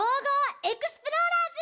エクスプローラーズ」！